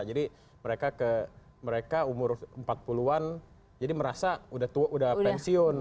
jadi mereka umur empat puluh an jadi merasa udah pensiun